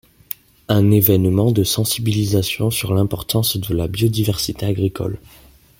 Un événement de sensibilisation sur l’importance de la biodiversité agricole.